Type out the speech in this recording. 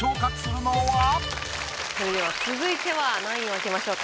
それでは続いては何位を開けましょうか？